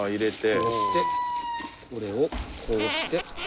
こうしてこれをこうして。